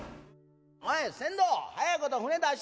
「おい船頭早いこと船出してんか」。